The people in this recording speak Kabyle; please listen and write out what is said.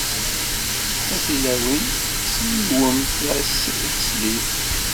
A tilawin, slilwemt-as i teslit!